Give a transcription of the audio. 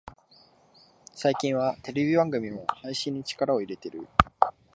最近はテレビ番組も配信に力を入れてる